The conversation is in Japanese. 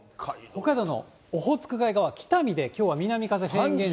北海道のオホーツク海側、北見できょうは南風、フェーン現象。